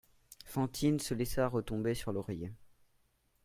Fantine se laissa retomber sur l'oreiller.